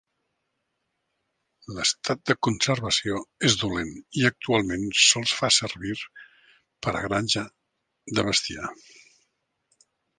L'estat de conservació és dolent i actualment sols fa servir per a granja de bestiar.